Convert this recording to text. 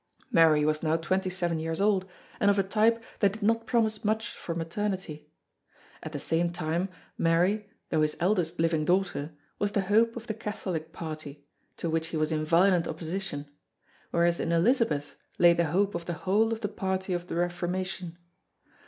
Mary was now twenty seven years old and of a type that did not promise much for maternity. At the same time, Mary, though his eldest living daughter, was the hope of the Catholic party, to which he was in violent opposition; whereas in Elizabeth lay the hope of the whole of the party of the Reformation.